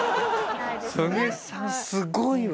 ソネさんすごいわ。